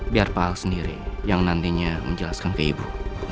biar pak ahok sendiri yang nantinya menjelaskan ke ibu